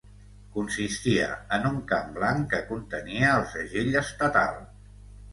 Consistia en un camp blanc que contenia el segell estatal.